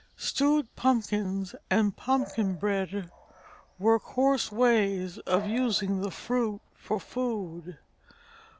Stewed pumpkins and pumpkin bread were coarse ways of using the fruit for food.